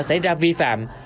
xảy ra vi phạm